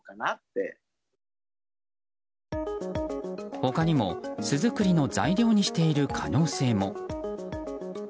他にも巣作りの材料にしている可能性も。